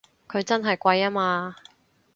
佢真係貴吖嘛！